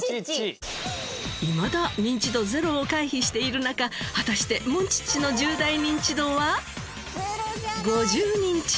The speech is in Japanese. いまだニンチドゼロを回避している中果たしてモンチッチの１０代ニンチドは５０人中。